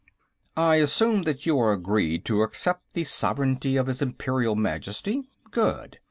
"I assume that you are agreed to accept the sovereignty of his Imperial Majesty? Good.